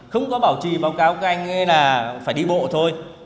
không có bảo trì báo cáo các anh là phải đi bộ thôi